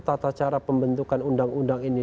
tata cara pembentukan undang undang ini